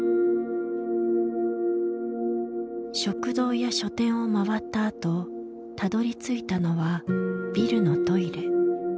食堂や書店を回ったあとたどりついたのはビルのトイレ。